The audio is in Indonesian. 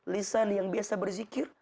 lisan yang biasa berzikir